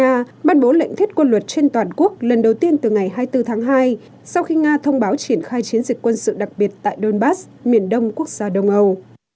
nga ban bố lệnh thiết quân luật trên toàn quốc lần đầu tiên từ ngày hai mươi bốn tháng hai sau khi nga thông báo triển khai chiến dịch quân sự đặc biệt tại donbass miền đông quốc gia đông âu